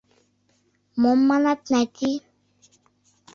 — Мом манат, Нати?